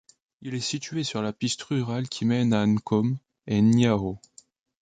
Il est situé sur la piste rurale qui mène à Nkom et Nyaho.